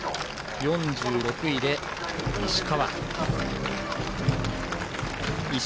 ４６位で、石川。